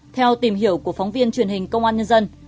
theo tìm hiểu của phóng viên truyền hình công an nhân dân